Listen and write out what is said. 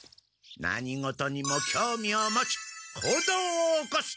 何事にもきょうみを持ち行動を起こす。